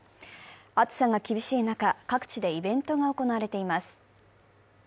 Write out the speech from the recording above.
暑さが厳しい中、各地でイベントが行われています。